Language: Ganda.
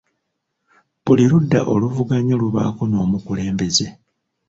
Buli ludda oluvuganya lubaako n'omukulembeze.